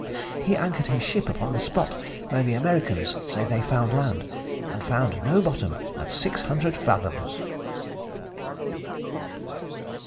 He anchored his ship upon the spot where the Americans say they found land, and found no bottom at six hundred fathoms!